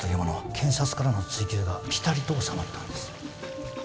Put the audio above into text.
検察からの追及がピタリと収まったんです